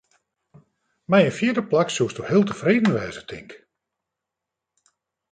Mei in fjirde plak soesto heel tefreden wêze, tink?